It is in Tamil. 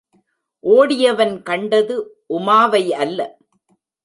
ஓடியவன் கண்டது உமாவையல்ல!